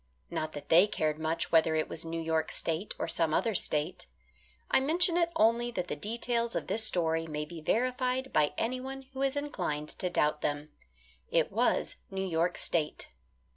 Not that they cared much whether it was New York State or some other state. I mentioned it only that the details of this story may be verified by anyone who is inclined to doubt them. It was New York State.